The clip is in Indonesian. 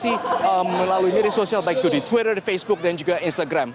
informasi melalui media sosial baik itu di twitter facebook dan juga instagram